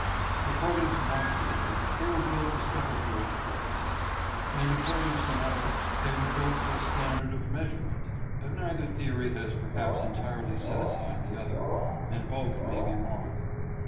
According to one theory they were built for sepulchral purposes ; and accord ing to another they were built for a standard of measure ment, but neither theory has perhaps entirely set aside the other, and both may be wrong.